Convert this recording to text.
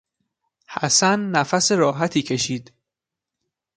حسن نفس راحتی کشید.